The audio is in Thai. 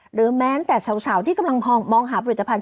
หรือแม้แต่สาวที่กำลังมองหาผลิตภัณฑ